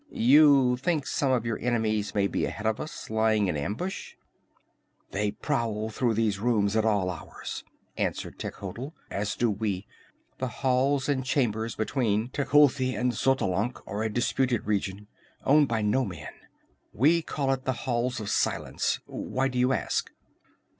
"You think some of your enemies may be ahead of us, lying in ambush?" "They prowl through these rooms at all hours," answered Techotl, "as do we. The halls and chambers between Tecuhltli and Xotalanc are a disputed region, owned by no man. We call it the Halls of Silence. Why do you ask?"